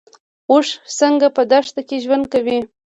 اوښ څنګه په دښته کې ژوند کوي؟